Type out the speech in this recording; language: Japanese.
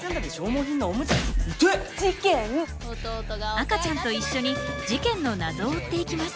赤ちゃんと一緒に事件の謎を追っていきます。